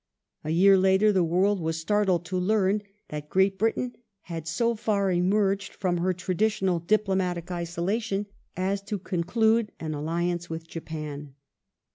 A year later the world was startled to learn that Great Britain had so far emerged from her traditional diplomatic isolation as to con clude an alliance with Japan.